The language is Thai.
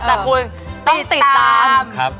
แต่คุณต้องติดตาม